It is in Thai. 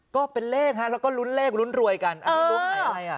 ก็เป็นเลขฮะแล้วก็ลุ้นเลขลุ้นรวยกันอันนี้ลุ้นหายอะไรอ่ะ